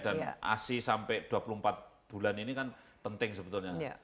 dan asi sampai dua puluh empat bulan ini kan penting sekali